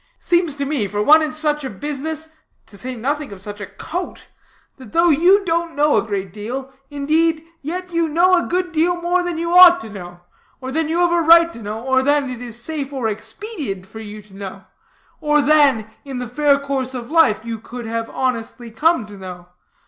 Seems to me, for one in such a business, to say nothing of such a coat, that though you don't know a great deal, indeed, yet you know a good deal more than you ought to know, or than you have a right to know, or than it is safe or expedient for you to know, or than, in the fair course of life, you could have honestly come to know.